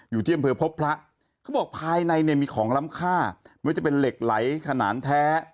อยู่ที่อำเภอพบพระเขาบอกภายในเนี่ยมีของล้ำค่าไม่ว่าจะเป็นเหล็กไหลขนาดแท้